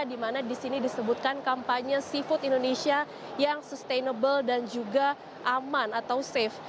di mana di sini disebutkan kampanye seafood indonesia yang sustainable dan juga aman atau safe